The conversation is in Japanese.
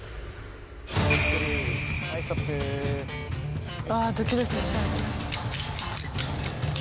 うわあドキドキしちゃうな。